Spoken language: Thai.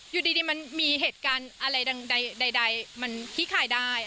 อยู่ดีมันมีเหตุการณ์อะไรใดมันขี้คายได้